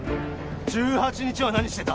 １８日は何してた？